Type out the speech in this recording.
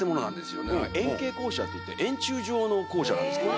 っていって円柱状の校舎なんですけど。